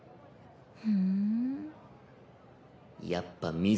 ふん。